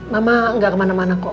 mama gak kemana mana kok